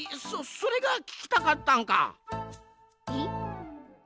そそれがききたかったんか。